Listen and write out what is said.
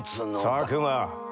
佐久間。